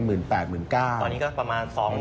ตอนนี้ก็ประมาณ๒๒๐๐๐กว่า๒๓๐๐๐นะ